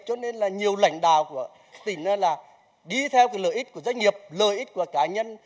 cho nên là nhiều lãnh đạo của tỉnh đi theo cái lợi ích của doanh nghiệp lợi ích của cá nhân